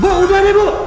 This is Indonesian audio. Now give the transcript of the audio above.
bu udah deh bu